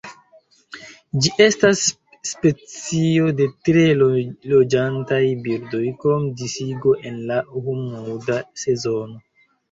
Ĝi estas specio de tre loĝantaj birdoj, krom disigo en la humida sezono.